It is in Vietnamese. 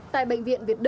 tại bệnh viện việt đông